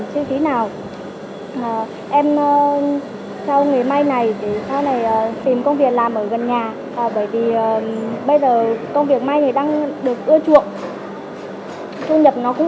bởi vì bây giờ công việc mai này đang được ưa chuộng thu nhập nó cũng ổn định để là chăm lo gia đình